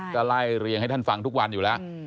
ก็ไล่เรียงให้ท่านฟังทุกวันอยู่แล้ว